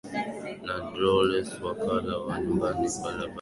na droulouse wakalala wa nyumbani kwa bao moja kwa sifuri dhidi ya ni